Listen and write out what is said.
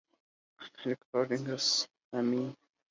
Recording as Amen!